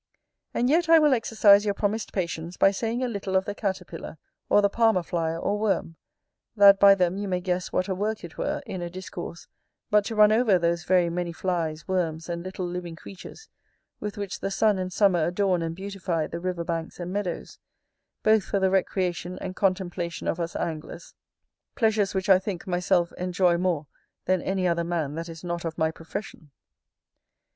And, yet, I will exercise your promised patience by saying a little of the caterpillar, or the palmer fly or worm; that by them you may guess what a work it were, in a discourse, but to run over those very many flies, worms, and little living creatures, with which the sun and summer adorn and beautify the river banks and meadows, both for the recreation and contemplation of us anglers; pleasures which, I think, myself enjoy more than any other man that is not of my profession.